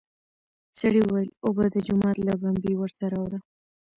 سړي وويل: اوبه د جومات له بمبې ورته راوړه!